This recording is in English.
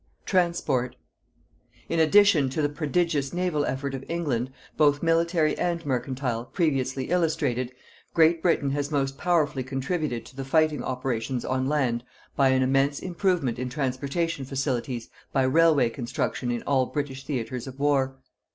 TRANSPORT. In addition to the prodigious Naval effort of England, both military and mercantile, previously illustrated, Great Britain has most powerfully contributed to the fighting operations on land by an immense improvement in transportation facilities by railway construction in all British theatres of war.